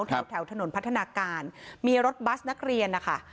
แถวถนนพัฒนาการมีรถบัสนักเรียนนะคะ